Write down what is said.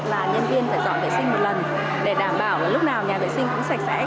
là nhân viên phải dọn vệ sinh một lần để đảm bảo lúc nào nhà vệ sinh cũng sạch sẽ